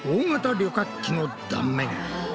旅客機の断面。